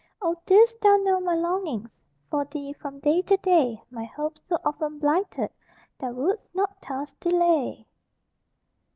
Oh, didst thou know my longings For thee, from day to day, My hopes, so often blighted, Thou wouldst not thus delay!